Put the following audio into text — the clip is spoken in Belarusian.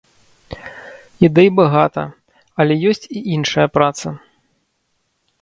Ідэй багата, але ёсць і іншая праца.